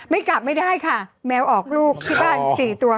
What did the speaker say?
ไม่กลับไม่ได้ค่ะแมวออกลูกที่บ้าน๔ตัว